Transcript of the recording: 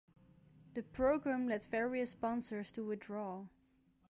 The programme led various sponsors to withdraw.